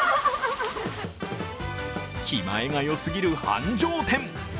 気前がよすぎる繁盛店。